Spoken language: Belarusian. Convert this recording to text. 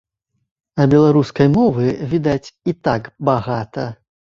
А беларускай мовы, відаць, і так багата.